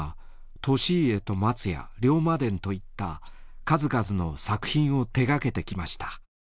『利家とまつ』や『龍馬伝』といった数々の作品を手掛けてきました。